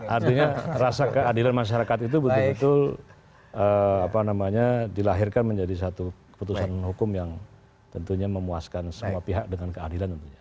artinya rasa keadilan masyarakat itu betul betul dilahirkan menjadi satu keputusan hukum yang tentunya memuaskan semua pihak dengan keadilan tentunya